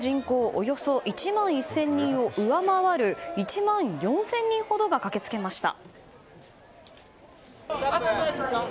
およそ１万１０００人を上回る１万４０００人ほどが駆けつけました。